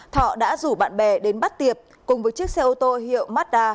thọ đã rủ bạn bè đến bắt tiệp cùng với chiếc xe ô tô hiệu mazda